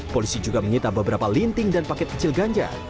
polisi juga menyita beberapa linting dan paket kecil ganja